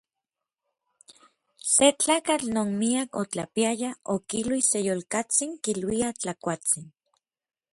Se tlakatl non miak otlapiaya okilui se yolkatsin kiluiaj Tlakuatsin.